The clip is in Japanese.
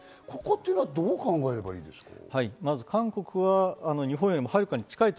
ここというのはどう考えればいいですか？